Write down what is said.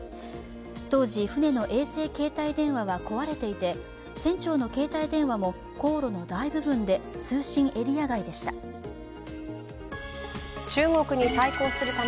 当時、船の衛星携帯電話は壊れていて船長の携帯電話も航路の大部分で通信エリア外でした。